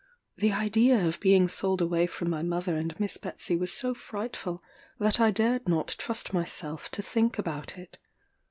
The idea of being sold away from my mother and Miss Betsey was so frightful, that I dared not trust myself to think about it.